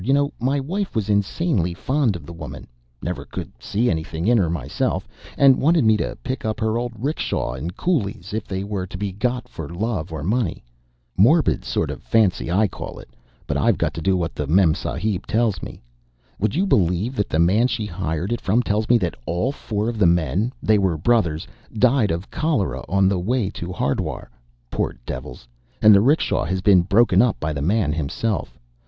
You know my wife was insanely fond of the woman ['never could see anything in her myself), and wanted me to pick up her old 'rickshaw and coolies if they were to be got for love or money. Morbid sort of fancy I call it; but I've got to do what the Memsahib tells me. Would you believe that the man she hired it from tells me that all four of the men they were brothers died of cholera on the way to Hardwar, poor devils, and the 'rickshaw has been broken up by the man himself.